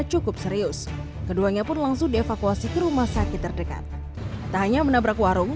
cukup serius keduanya pun langsung dievakuasi ke rumah sakit terdekat tak hanya menabrak warung